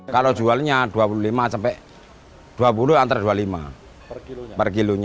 kalau jualnya dua puluh lima dua puluh antara dua puluh lima per kilo